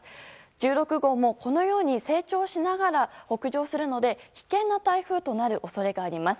１６号もこのように成長しながら北上するので危険な台風となる恐れがあります。